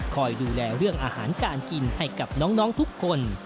คอยดูแลเรื่องอาหารการกินให้กับน้องทุกคน